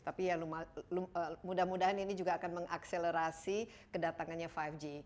tapi ya mudah mudahan ini juga akan mengakselerasi kedatangannya lima g